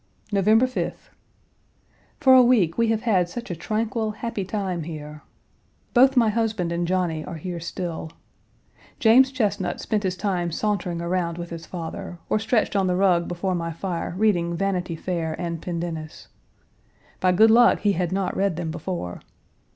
November 5th. For a week we have had such a tranquil, happy time here. Both my husband and Johnny are here still. James Chesnut spent his time sauntering around with his father, or stretched on the rug before my fire reading Vanity Fair and Pendennis. By good luck he had not read them before.